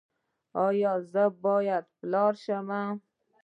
ایا زه باید پلار شم؟